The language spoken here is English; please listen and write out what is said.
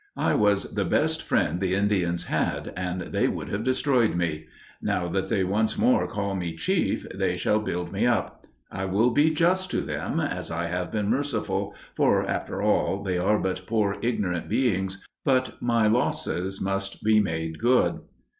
I was the best friend the Indians had, and they would have destroyed me. Now that they once more call me "Chief," they shall build me up. I will be just to them, as I have been merciful, for, after all, they are but poor ignorant beings, but my losses must be made good.